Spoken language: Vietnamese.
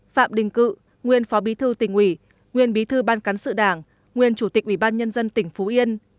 phạm đình cự nguyên phó bí thư tỉnh ủy nguyên bí thư ban cán sự đảng nguyên chủ tịch ủy ban nhân dân tỉnh phú yên